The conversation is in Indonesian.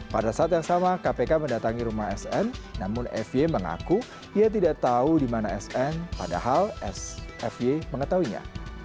pada saat yang sama kpk mendatangi rumah sn namun f y mengaku ia tidak tahu di mana sn padahal s f y mengetahuinya